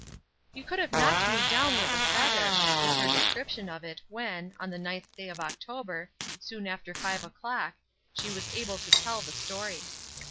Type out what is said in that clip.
"You could have knocked me down with a feather," was her description of it when, on the ninth day of October, soon after five o'clock, she was able to tell the story.